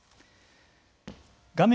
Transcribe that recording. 画面